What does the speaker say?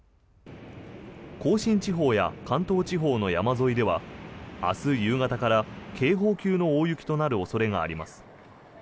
甲信地方や関東地方の山沿いでは明日夕方から警報級の大雪となる恐れがあります。